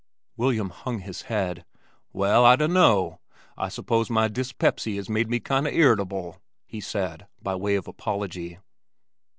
William hung his head. "Well, I dunno! I suppose my dyspepsy has made me kind o' irritable," he said by way of apology.